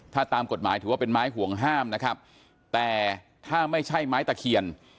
ถ้าตามกฎหมายถือว่าเป็นไม้ห่วงห้ามนะครับแต่ถ้าไม่ใช่ไม้ตะเคียน